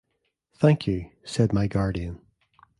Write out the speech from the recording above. "Thank you," said my guardian.